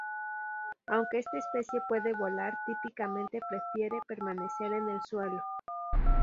Aunque esta especie puede volar, típicamente prefiere permanecer en el suelo.